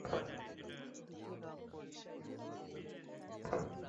গাড়িতে থাকা অন্যান্যরা একটু আহত হয়েছে শুধু।